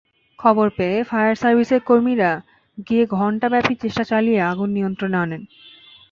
খবর পেয়ে ফায়ার সার্ভিসের কর্মীরা গিয়ে ঘণ্টাব্যাপী চেষ্টা চালিয়ে আগুন নিয়ন্ত্রণে আনেন।